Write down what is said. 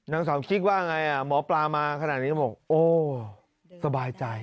นางสาวคิกว่าไงหมอปลามาขนาดนี้ก็บอกโอ้สบายใจ